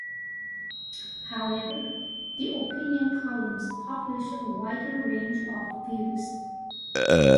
However, the opinion columns publish a wider range of views.